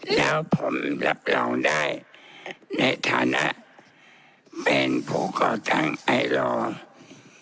แล้วผมรับรองได้ในฐานะแฟนผู้ก่อตั้งไอร้อง